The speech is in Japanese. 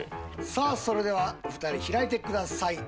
さあそれではお二人開いてください。